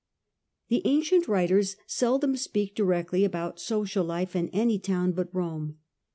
The ancient writers seldom speak directly about social life in any town but Rome.